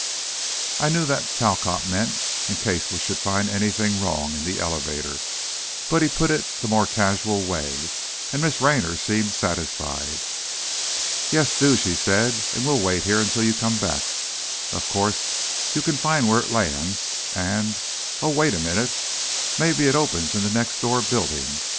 I knew that Talcott meant, in case we should find anything wrong in the elevator, but he put it the more casual way, and Miss Raynor seemed satisfied. "Yes, do," she said, "and we'll wait here till you come back. Of course, you can find where it lands, and oh, wait a minute! Maybe it opens in the next door building.